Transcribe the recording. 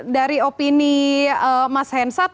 dari opini mas hensat